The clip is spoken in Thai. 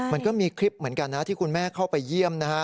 มันก็มีคลิปเหมือนกันนะที่คุณแม่เข้าไปเยี่ยมนะฮะ